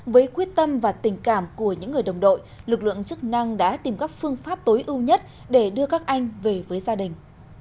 với quyết tâm và tình cảm của những người đồng đội lực lượng chức năng đã tìm các phương pháp tối ưu nhất để đưa các anh về với gia đình